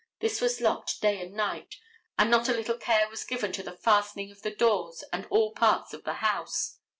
This was locked day and night, and not a little care was given to the fastening of the doors and all parts of the house.